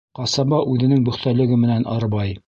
Ҡасаба үҙенең бөхтәлеге менән арбай.